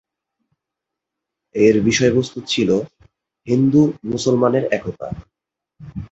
এর বিষয়বস্তু ছিল হিন্দু-মুসলমানের একতা।